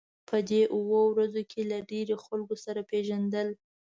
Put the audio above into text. په دې اوو ورځو کې له ډېرو خلکو سره پېژندل.